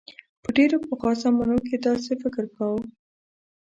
په ډیرو پخوا زمانو کې داسې فکر کاؤ.